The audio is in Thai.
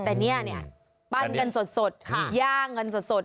แต่เนี่ยปั้นกันสดย่างกันสด